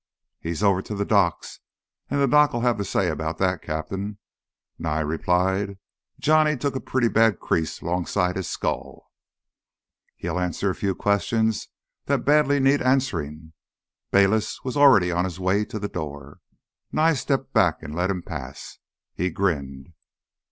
"He's over to th' doc's, an' Doc'll have th' say 'bout that, Cap'n," Nye replied. "Johnny took a pretty bad crease 'longside his skull." "He'll answer a few questions that badly need answering." Bayliss was already on his way to the door. Nye stepped back and let him pass. He grinned.